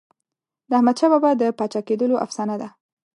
د احمدشاه بابا د پاچا کېدلو افسانه ده.